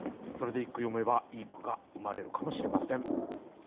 それで一句詠めばいい句が生まれるかもしれません。